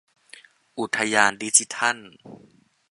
อุทยานดิจิทัล